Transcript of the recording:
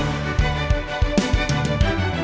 kayaknya kan ada belakangan kita